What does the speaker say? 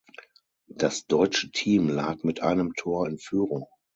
Das deutsche Team lag mit einem Tor in Führung.